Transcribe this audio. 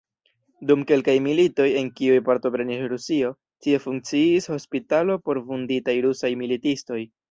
Dum kelkaj militoj, en kiuj partoprenis Rusio, tie funkciis hospitalo por vunditaj rusaj militistoj.